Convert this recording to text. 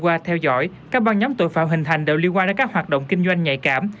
qua theo dõi các băng nhóm tội phạm hình thành đều liên quan đến các hoạt động kinh doanh nhạy cảm